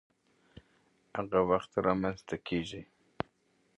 هغه وخت رامنځته کيږي،